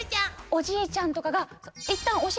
おじいちゃんとかが大正解！